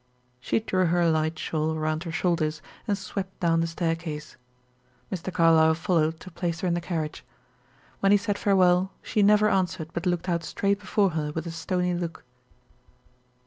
She drew her light shawl around her shoulders, and swept down the staircase. Mr. Carlyle followed to place her in the carriage. When he said farewell, she never answered but looked out straight before her with a stony look.